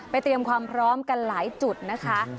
เตรียมความพร้อมกันหลายจุดนะคะ